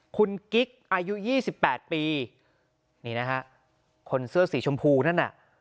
คุณกิ๊กอายุ๒๘ปีนี่นะฮะคนเสื้อสีชมพูนั่นน่ะ